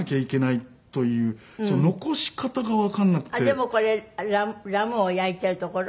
でもこれラムを焼いてるところ？